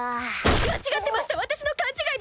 間違ってました私の勘違いです！